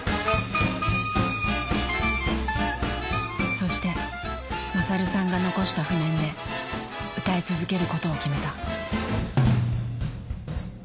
そして勝さんが残した譜面で歌い続けることを決めた。